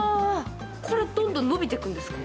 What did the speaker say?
どんどん伸びていくんですか？